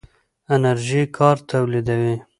انرژي کار تولیدوي.